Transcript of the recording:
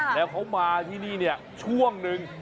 แล้วเขามาที่นี่เนี่ยช่วงหนึ่ง